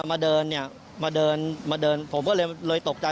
มาเดินเนี่ยมาเดินมาเดินผมก็เลยเลยตกใจ